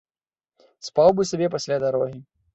Спаў бы сабе пасля дарогі.